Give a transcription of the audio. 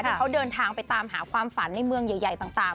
ที่เขาเดินทางไปตามหาความฝันในเมืองใหญ่ต่าง